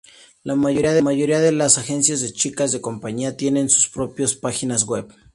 La mayoría de las agencias de chicas de compañía tienen sus propias páginas web.